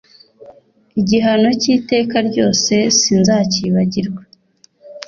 igihano cy iteka ryose sinzakibagirwa